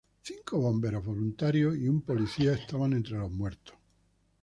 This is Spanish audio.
Cinco bomberos voluntarios y un policía estaban entre los muertos.